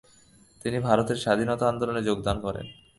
তিনি ভারতের স্বাধীনতা আনন্দোলনে যোগদান করেন।